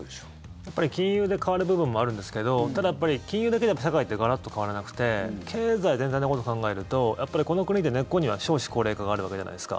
やっぱり金融で変わる部分もあるんですけどただ、金融だけじゃ社会ってガラッと変わらなくて経済全体のことを考えるとこの国って根っこには少子高齢化があるわけじゃないですか。